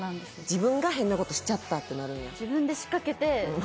自分が変なことしちゃったってなるんや？